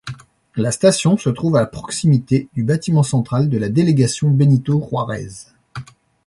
La station se trouve à proximité du bâtiment central de la délégation Benito Juárez.